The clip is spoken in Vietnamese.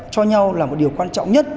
cho nhau là một điều quan trọng nhất